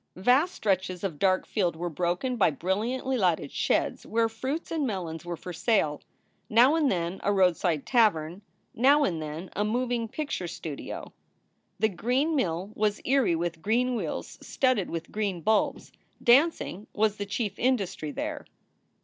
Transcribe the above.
Vast stretches of dark field were broken by brilliantly lighted sheds where fruits and melons were for sale, now and then a roadside tavern, now and then a moving picture studio. SOULS FOR SALE 287 The Green Mill was eerie with green wheels studded with green bulbs. Dancing was the chief industry there.